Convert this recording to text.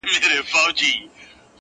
مُلا سړی سو په خپل وعظ کي نجلۍ ته ويل!!